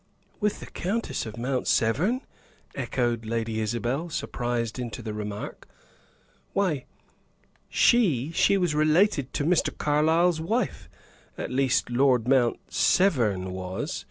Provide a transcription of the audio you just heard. "With the Countess of Mount Severn!" echoed Lady Isabel, surprised into the remark. "Why, she she was related to Mr. Carlyle's wife. At least Lord Mount Severn was."